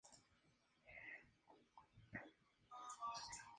El aterrizaje tuvo lugar a unos cuatro kilómetros de la plataforma de despegue.